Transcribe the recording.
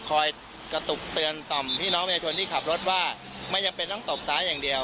กระตุกเตือนต่อมพี่น้องประชาชนที่ขับรถว่าไม่จำเป็นต้องตบซ้ายอย่างเดียว